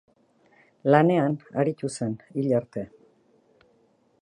Lanean aritu zen hil arte.